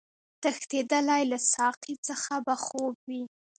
تښتېدلی له ساقي څخه به خوب وي